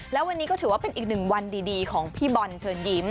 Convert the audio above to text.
แล้ววันนี้ก็ถือว่าเป็นอีกหนึ่งวันดีของพี่บอลเชิญยิ้ม